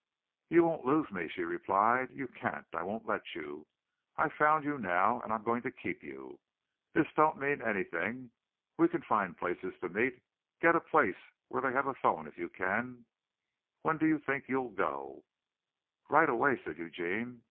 "You won't lose me," she replied. "You can't. I won't let you. I've found you now and I'm going to keep you. This don't mean anything. We can find places to meet. Get a place where they have a phone if you can. When do you think you'll go?" "Right away," said Eugene.